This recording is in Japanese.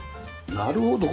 なるほど。